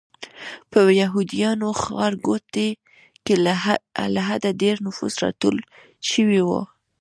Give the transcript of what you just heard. په یهودیانو ښارګوټي کې له حده ډېر نفوس راټول شوی و.